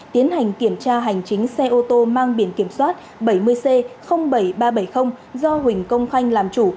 tiến hành kiểm tra hành chính xe ô tô mang biển kiểm soát bảy mươi c bảy nghìn ba trăm bảy mươi do huỳnh công khanh làm chủ